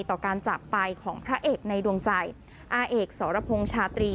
ต่อการจากไปของพระเอกในดวงใจอาเอกสรพงษ์ชาตรี